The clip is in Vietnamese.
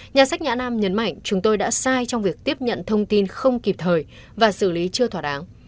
nhà sách nhã nam nhấn mạnh chúng tôi đã sai trong việc tiếp nhận thông tin không kịp thời và xử lý chưa thỏa đáng